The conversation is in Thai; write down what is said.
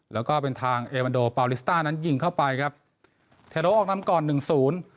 แล้วก็เป็นทางเอวันโดปาลิสต้านั้นยิงเข้าไปครับเทโรออกนำก่อนหนึ่งศูนย์